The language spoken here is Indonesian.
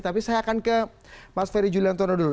tapi saya akan ke mas ferry juliantono dulu